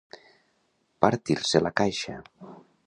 Partir-se la caixa.